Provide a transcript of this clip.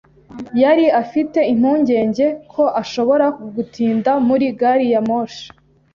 Yari afite impungenge ko ashobora gutinda muri gari ya moshi.